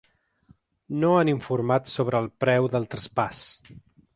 No han informat sobre el preu del traspàs.